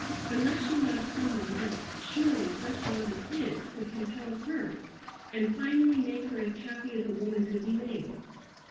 Unless she loved some one else surely such love as his could compel hers and finally make her as happy as a woman could be made.